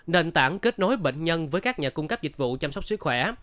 nền tảng kết nối bệnh nhân với các nhà cung cấp dịch vụ chăm sóc sức khỏe